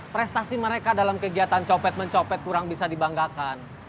prestasi mereka dalam kegiatan copet mencopet kurang bisa dibanggakan